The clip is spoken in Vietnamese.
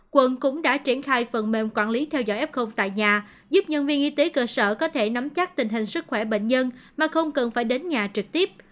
quận cũng đã triển khai phần mềm quản lý theo dõi f tại nhà giúp nhân viên y tế cơ sở có thể nắm chắc tình hình sức khỏe bệnh nhân mà không cần phải đến nhà trực tiếp